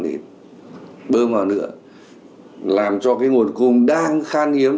để bơm vào nữa làm cho cái nguồn cung đang khan hiếm